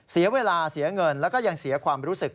เสียเวลาเสียเงินแล้วก็ยังเสียความรู้สึก